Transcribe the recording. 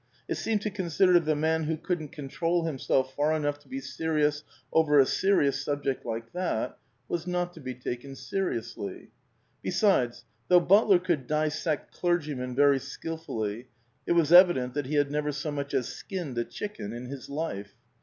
'^ It seemed to consider that a man who couldn't control himself far enough to be serious over a serious subject like that was not to be taken seriously. Besides, though Butler could dissect clergymen very skil fully, it was evident that he had never so much as skinned a chicken in his life.